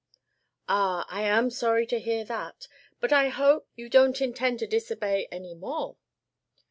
"Ah, I am sorry to hear that I but I hope you don't intend to disobey any more."